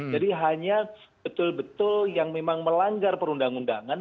jadi hanya betul betul yang memang melanggar perundang undangan